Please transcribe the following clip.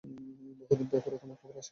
বহুদিন পেপারে তোমার খবর আসে না।